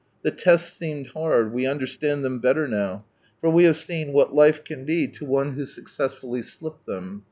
The tests seemed hard, we understand them better now, for we have seen what life can be to one who successfully slipped them.